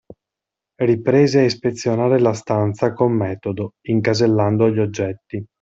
Riprese a ispezionare la stanza con metodo, incasellando gli oggetti.